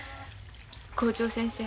校長先生